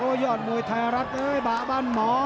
บอกโยชน์มวยไทยรัฐบะบ้านหมอ